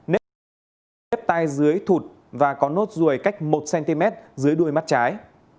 nếp tay dưới thụt và có nốt ruồi cách một cm dưới đuôi mắt trái